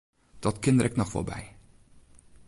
Dat kin der ek noch wol by.